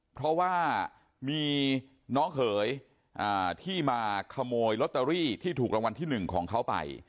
เพราะว่ามีน้องเขยที่มาขโมยลอตเตอรี่ที่ถูกรางวัลที่๑ของเขาไป